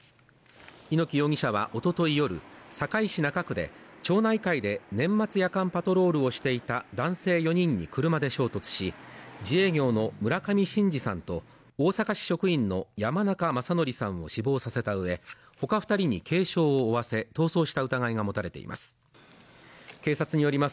猪木容疑者はおととい夜堺市中区で町内会で年末夜間パトロールをしていた男性４人に車で衝突し自営業の村上伸治さんと大阪市職員の山中正規さんを死亡させたうえ、ほか２人に軽傷を負わせ逃走した疑いが持たれています。